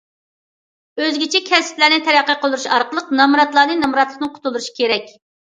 ئۆزگىچە كەسىپلەرنى تەرەققىي قىلدۇرۇش ئارقىلىق، نامراتلارنى نامراتلىقتىن قۇتۇلدۇرۇش كېرەك.